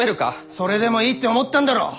それでもいいって思ったんだろう！